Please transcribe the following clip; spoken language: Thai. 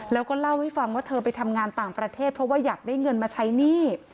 แล้วก็เล่าให้ฟังว่าเธอไปทำงานต่างประเทศเพราะว่าอยากได้เงินมาใช้หนี้